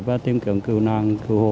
và tìm kiếm cứu nạn cứu hộ